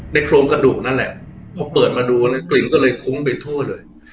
โครงกระดูกนั่นแหละพอเปิดมาดูกลิ่นก็เลยคุ้มไปทั่วเลย